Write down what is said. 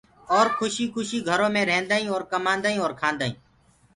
اور کُشيٚ کُشيٚ گھرو مي رهيندآ هينٚ اور ڪمآندا هينٚ اور کآندآ هينٚ۔